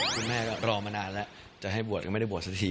แม่ก็รอมานานแล้วจะให้บวชก็ไม่ได้บวชสักที